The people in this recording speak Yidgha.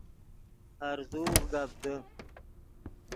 ہرزوغ گپ دے